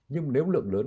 nhưng nếu lượng lớn